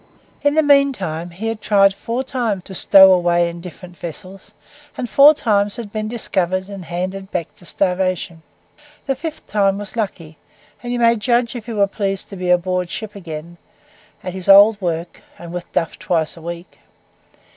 In the meantime, he had tried four times to stow away in different vessels, and four times had been discovered and handed back to starvation. The fifth time was lucky; and you may judge if he were pleased to be aboard ship again, at his old work, and with duff twice a week.